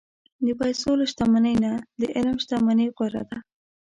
د پیسو له شتمنۍ نه، د علم شتمني غوره ده.